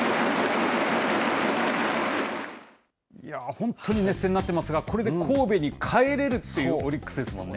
本当に熱戦になってますが、これで神戸に帰れるっていうオリックスですもんね。